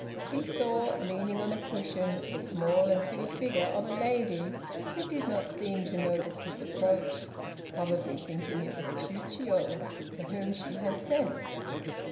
He saw, leaning on a cushion, the small and pretty figure of a lady, who did not seem to notice his approach, probably thinking it was Chiûjiô, for whom she had sent.